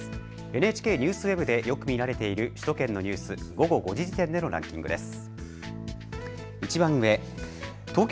ＮＨＫＮＥＷＳＷＥＢでよく見られている首都圏のニュース、午後５時時点でのランキングです。